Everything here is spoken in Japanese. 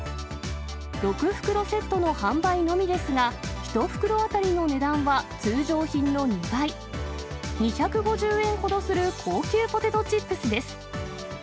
６袋セットの販売のみですが、１袋当たりの値段は通常品の２倍、２５０円ほどする高級ポテトチップスです。